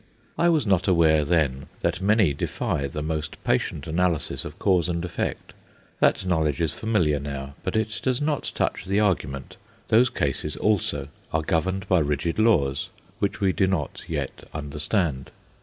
I was not aware then that many defy the most patient analysis of cause and effect. That knowledge is familiar now; but it does not touch the argument. Those cases also are governed by rigid laws, which we do not yet understand.